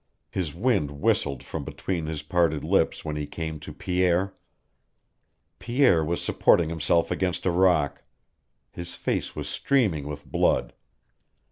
His wind whistled from between his parted lips when he came to Pierre. Pierre was supporting himself against a rock. His face was streaming with blood.